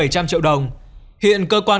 bảy trăm linh triệu đồng hiện cơ quan